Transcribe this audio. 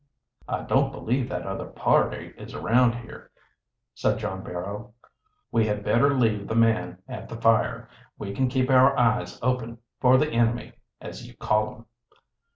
"I don't believe that other party is around here," said John Barrow. "We had better leave the man at the fire. We can keep our eyes open for the enemy as you call 'em."